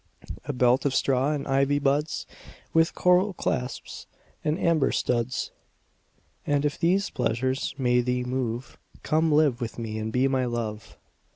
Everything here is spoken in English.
A belt of straw and ivy buds With coral clasps and amber studs: And if these pleasures may thee move, Come live with me and be my Love.